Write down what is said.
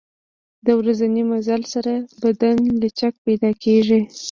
د ورځني مزل سره بدن لچک پیدا کېږي.